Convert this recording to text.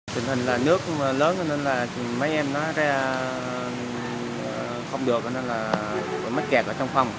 tình hình là nước lớn nên là mấy em nó ra không được nên là mất kẹt ở trong phòng